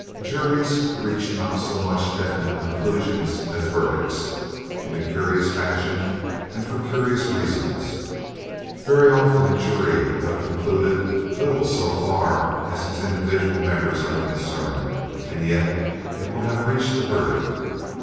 Juries reach not so much definite conclusions as verdicts, in a curious fashion and for curious reasons. Very often a jury will have concluded little so far as its individual members are concerned and yet it will have reached a verdict.